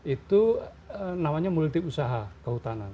itu namanya multiusaha kehutanan